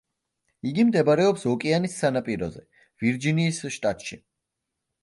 იგი მდებარეობს ოკეანის სანაპიროზე, ვირჯინიის შტატში.